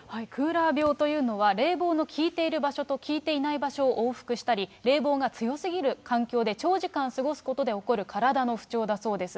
クーラー病というのは、冷房の効いている場所と効いていない場所を往復したり、冷房が強すぎる環境で、長時間過ごすことで起こる体の不調だそうです。